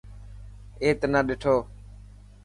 اي تنا ڏٺو.